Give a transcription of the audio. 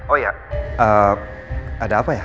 oh ya ada apa ya